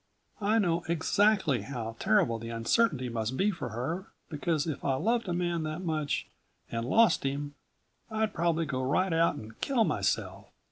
I know exactly how terrible the uncertainty must be for her, because if I loved a man that much and lost him I'd probably go right out and kill myself.